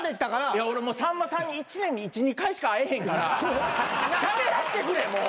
いや俺さんまさんに１年に１２回しか会えへんからしゃべらせてくれもう。